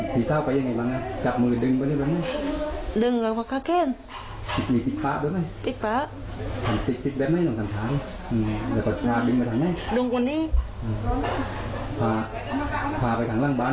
แล้วก็ดึงฮิซาไปเลยดึงฮิซาไป